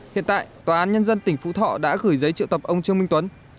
hiện tại tòa án nhân dân tỉnh phú thọ đã gửi giấy triệu tập ông trương minh tuấn